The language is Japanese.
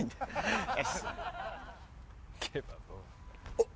おっ！